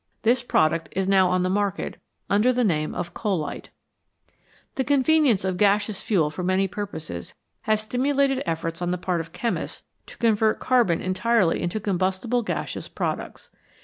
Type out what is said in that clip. This product is now on the market under the name of coalite. The convenience of gaseous fuel for many purposes has stimulated efforts on the part of chemists to convert carbon entirely into combustible gaseous products.